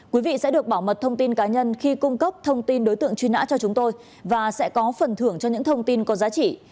quý vị sẽ được bảo mật thông tin cá nhân khi cung cấp thông tin đối tượng truy nã cho chúng tôi và sẽ có phần thưởng cho những thông tin có giá trị